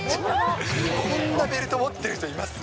こんなベルト、持ってる人います？